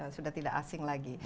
sudah tidak asing lagi